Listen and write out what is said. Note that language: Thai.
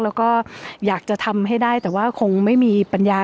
แล้วก็อยากจะทำให้ได้แต่ว่าคงไม่มีปัญญา